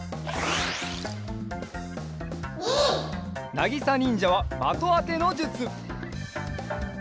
なぎさにんじゃはまとあてのじゅつ！